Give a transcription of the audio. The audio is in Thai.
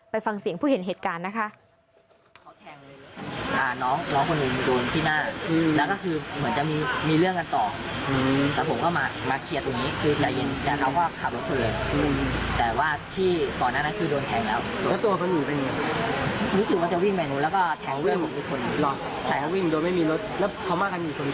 ฟังเสียงผู้เห็นเหตุการณ์นะคะ